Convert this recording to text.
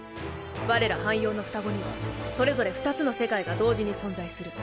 我ら半妖の双子にはそれぞれ２つの世界が同時に存在する。